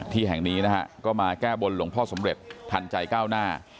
ที่แห่งนี้นะฮะก็มาแก้บนหลวงพ่อสำเร็จทันใจก้าวหน้า